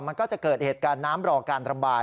มันก็จะเกิดเหตุการณ์น้ำรอการระบาย